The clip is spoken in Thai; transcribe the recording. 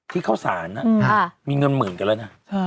ที่เข้าสารมีเงินหมื่นกันแล้วนะ